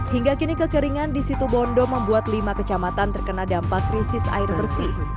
hingga kini kekeringan di situ bondo membuat lima kecamatan terkena dampak krisis air bersih